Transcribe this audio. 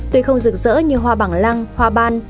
tuy không rực rỡ như hoa bằng lăng hoa ban